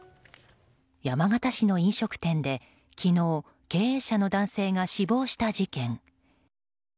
山形市の飲食店で、昨日経営者の男性が死亡した事件。